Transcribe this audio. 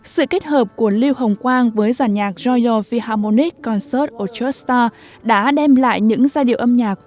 sự kết hợp của lưu hồng quang với giả nhạc royal philharmonic concert ochoa star đã đem lại những giai điệu âm nhạc